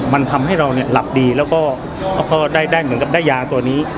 มันทำให้เราหลับดีแล้วก็ได้ยางตัวนี้